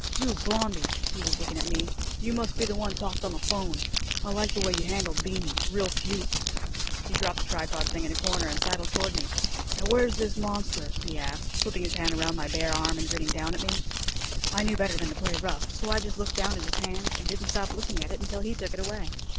"You, Blondie," he was looking at me, "you must be the one talked on the 'phone. I liked the way you handled Beany. Real cute." He dropped the tripod thing in a corner, and sidled toward me. "Now where's this monster?" he asked, slipping his hand around my bare arm and grinning down at me. I knew better than to play rough, so I just looked down at his hand, and didn't stop looking at it until he took it away.